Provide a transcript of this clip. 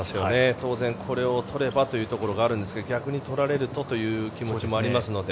当然、これを取ればというところがあるんですが逆に取られるとという気持ちもありますので。